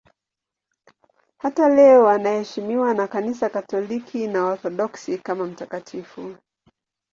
Hata leo anaheshimiwa na Kanisa Katoliki na Waorthodoksi kama mtakatifu.